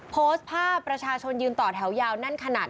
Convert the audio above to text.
โพสต์ภาพประชาชนยืนต่อแถวยาวแน่นขนาด